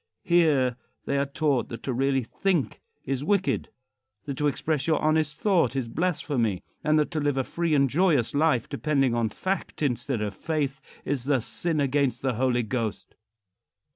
Here they are taught that to really think is wicked; that to express your honest thought is blasphemy; and that to live a free and joyous life, depending on fact instead of faith, is the sin against the Holy Ghost.